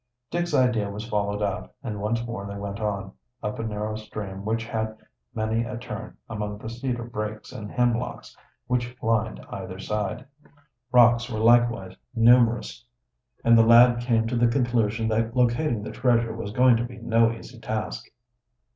Dick's idea was followed out, and once more they went on, up a narrow stream which had many a turn among the cedar brakes and hemlocks which lined either side. Rocks were likewise numerous, and the lad came to the conclusion that locating the treasure was going to be no easy task.